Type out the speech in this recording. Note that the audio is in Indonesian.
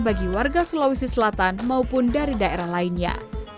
bagi warga sulawesi selatan maupun dari daerah lainnya